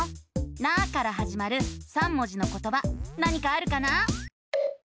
「な」からはじまる３文字のことば何かあるかな？